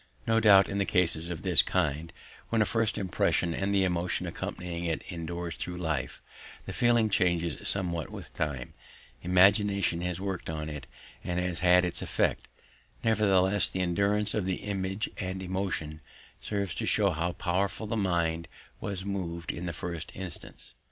No doubt in cases of this kind, when a first impression and the emotion accompanying it endures through life, the feeling changes somewhat with time; imagination has worked on it and has had its effect; nevertheless the endurance of the image and emotion serves to show how powerful the mind was moved in the first instance.